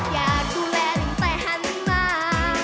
อยากดูแลหนึ่งใส่หันมา